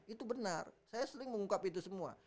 itu benar saya sering mengungkap itu semua